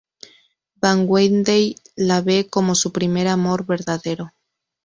Van Weyden la ve como su primer amor verdadero.